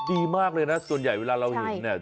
ดีมากเลยนะส่วนใหญ่เวลาเราเห็นเนี่ย